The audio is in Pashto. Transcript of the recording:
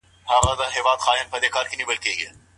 فقهاوو د زوجينو د خوند اخيستلو په اړه څه ويلي دي؟